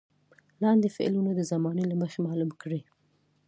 لاندې فعلونه د زمانې له مخې معلوم کړئ.